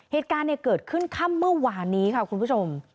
เหตุการณ์เกิดขึ้นค่ำเมื่อวานนี้ค่ะคุณผู้ชม